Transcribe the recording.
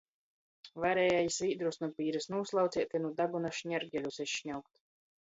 Varēja i svīdrus nu pīris nūslaucēt, i nu daguna šnergeļus izšņaukt.